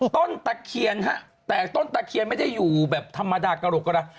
ตะเคียนฮะแต่ต้นตะเคียนไม่ได้อยู่แบบธรรมดากระโหลกกระดา